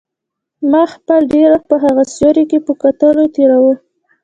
ما خپل ډېر وخت په هغه سوري کې په کتلو تېراوه.